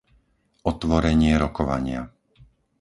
Otvorenie rokovania